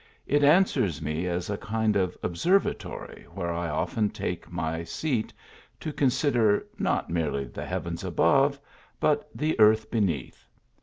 Ij; answers me as a kind of observatory, where I often take my seat to consider, not merely the heavens above, but the "earth beneath."